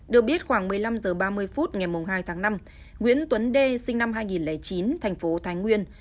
được biết khoảng một mươi năm h ba mươi phút ngày hai tháng năm nguyễn tuấn đê sinh năm hai nghìn chín thành phố thái nguyên